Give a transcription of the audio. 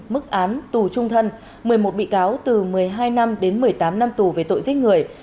mức án tù trung thân một mươi một bị cáo từ một mươi hai năm đến một mươi tám năm tù về tội giết người